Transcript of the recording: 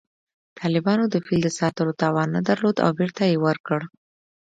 طالبانو د فیل د ساتلو توان نه درلود او بېرته یې ورکړ